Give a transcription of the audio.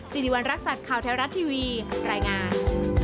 สิริวัณรักษัตริย์ข่าวแท้รัฐทีวีรายงาน